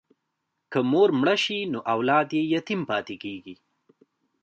که مور مړه شي نو اولاد یې یتیم پاتې کېږي.